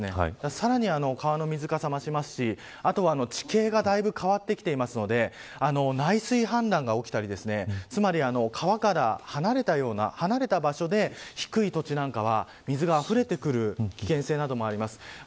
さらに、川の水かさが増しますしあとは、地形がだいぶ変わってきているので内水氾濫が起きたりつまり、川から離れた場所で低い土地なんかは水があふれてくる危険性などもあります。